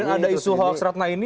tapi kalau ada isu hal ratna ini